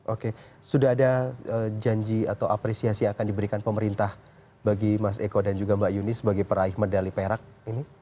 oke sudah ada janji atau apresiasi yang akan diberikan pemerintah bagi mas eko dan juga mbak yuni sebagai peraih medali perak ini